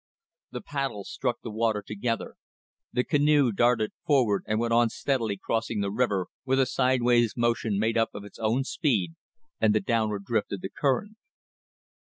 The paddles struck the water together. The canoe darted forward and went on steadily crossing the river with a sideways motion made up of its own speed and the downward drift of the current.